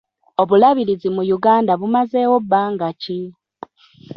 Obulabirizi mu Uganda bumazeewo bbanga ki?